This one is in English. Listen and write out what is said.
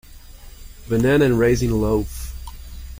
Banana and raisin loaf.